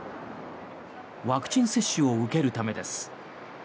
ワクチン接種を受けるためです。